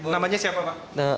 namanya siapa pak